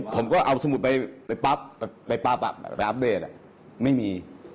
ผมก็เอาสมุดไปปั๊บไปอัพเดทไม่มี